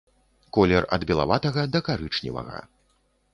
Колер ад белаватага да карычневага.